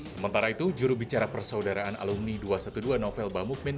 sementara itu jurubicara persaudaraan alumni dua ratus dua belas novel bamukmin